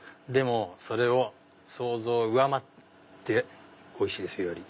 でも想像を上回っておいしいですよ。